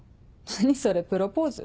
何それプロポーズ？